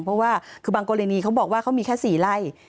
เพราะว่าคือบางกรณีเขาบอกว่าเขามีแค่๔ไร่